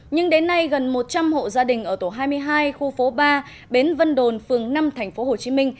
nhưng đến nay gần một trăm linh hộ gia đình ở tổ hai mươi hai khu phố ba bến vân đồn phường năm tp hcm